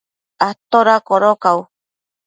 ¿ ada codocau?